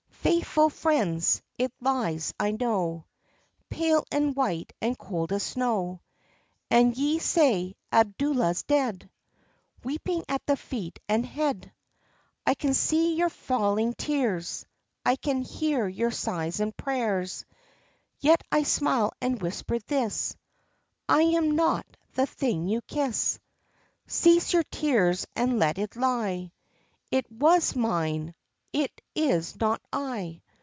_ Faithful friends! It lies, I know, Pale and white and cold as snow; And ye say, "Abdallah's dead!" Weeping at the feet and head. I can see your falling tears, I can hear your sighs and prayers; Yet I smile and whisper this— "I am not the thing you kiss: Cease your tears and let it lie; It was mine, it is not 'I.'"